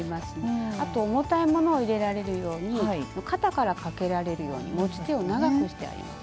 あと重たいものを入れられるように肩からかけられるように持ち手を長くしてあります。